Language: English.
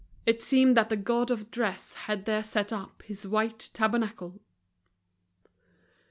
It seemed that the god of dress had there set up his white tabernacle.